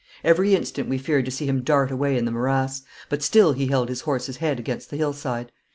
Every instant we feared to see him dart away in the morass, but still he held his horse's head against the hill side.